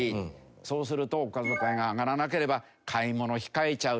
そうするとお小遣いが上がらなければ買い物控えちゃう。